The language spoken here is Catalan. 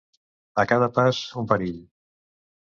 A cada pas, un perill.